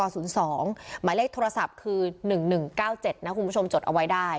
หมายเลขโทรศัพท์คือ๑๑๙๗นะคุณผู้ชมจดเอาไว้ได้